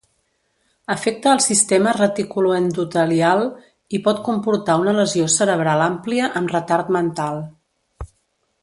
Afecta el sistema reticuloendotelial i pot comportar una lesió cerebral àmplia amb retard mental.